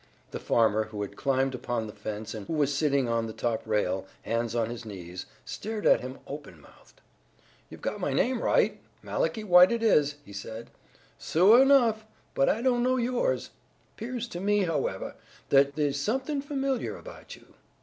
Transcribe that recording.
The farmer, who had climbed upon the fence and who was sitting on the top rail, hands on his knees, stared at him open mouthed. "You've got my name right. Malachi White it is," he said, "suah enough, but I don't know yours. 'Pears to me, however, that they's somethin' familiar about you.